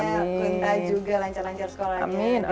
kita juga lancar lancar sekolahnya